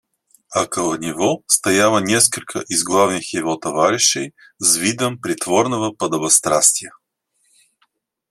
Около него стояло несколько из главных его товарищей, с видом притворного подобострастия.